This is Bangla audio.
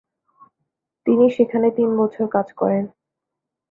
তিনি সেখানে তিন বছর কাজ করেন।